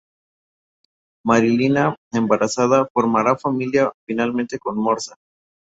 Marilina, embarazada, formará familia finalmente con Morsa.